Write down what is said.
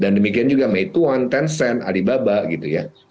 dan demikian juga meituan tencent alibaba gitu ya